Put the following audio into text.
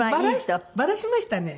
バラしましたね。